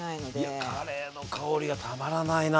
いやカレーの香りがたまらないな。